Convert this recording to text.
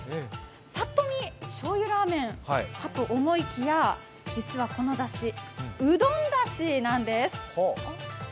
ぱっと見、しょうゆラーメンかと思いきや実はこのだし、うどんだしなんです。